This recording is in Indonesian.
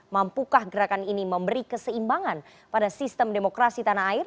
mampukah gerakan ini memberi keseimbangan pada sistem demokrasi tanah air